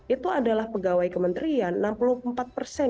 itu adalah pegawai kementerian